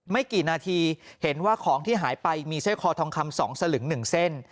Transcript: ไม่กี่นาทีเห็นว่าของที่หายไปมีสร้อยคอทองคำ๒สลึง๑เส้น